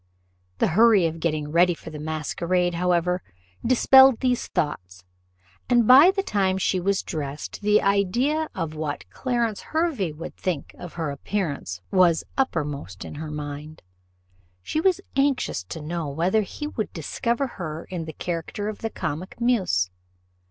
The hurry of getting ready for the masquerade, however, dispelled these thoughts, and by the time she was dressed, the idea of what Clarence Hervey would think of her appearance was uppermost in her mind. She was anxious to know whether he would discover her in the character of the comic muse.